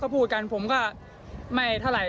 พูดกันผมก็ไม่เท่าไหร่